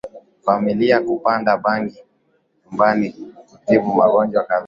familia kupanda bangi nyumbani kutibu magonjwa kadhaa